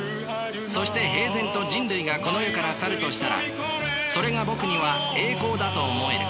そして平然と人類がこの世から去るとしたらそれがぼくには栄光だと思える。